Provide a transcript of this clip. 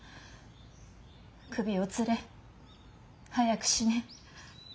首をつれ早く死ね。